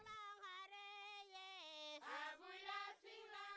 tarian ini bisa dipercaya sebagai penyanyi yang berpengalaman